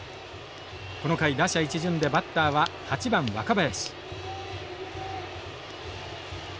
この回打者一巡でバッターは８番若林。